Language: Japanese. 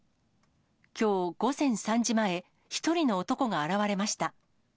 きょう午前３時前、１人の男が現われました。